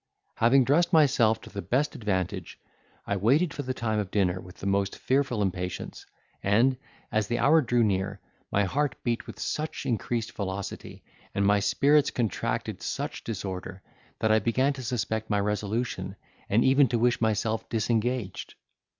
Having dressed myself to the best advantage, I waited for the time of dinner with the most fearful impatience; and, as the hour drew near, my heart beat with such increased velocity, and my spirits contracted such disorder, that I began to suspect my resolution, and even to wish myself disengaged.